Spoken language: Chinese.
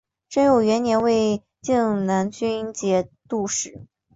贞佑元年为静难军节度使。